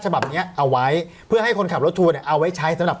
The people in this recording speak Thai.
ฉบับเนี้ยเอาไว้เพื่อให้คนขับรถทัวร์เนี่ยเอาไว้ใช้สำหรับ